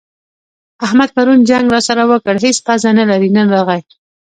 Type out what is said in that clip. احمد پرون جنګ راسره وکړ؛ هيڅ پزه نه لري - نن راغی.